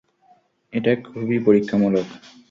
এটা খুবই পরীক্ষামূলক।